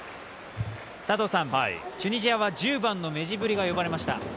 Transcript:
チュニジアは１０番のメジブリが呼ばれました。